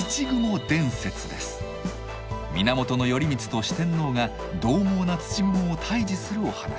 源頼光と四天王がどう猛な土蜘蛛を退治するお話。